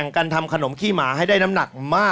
กลับเข้าสู่รายการออบาตอร์มาหาสนุกกันอีกครั้งครับ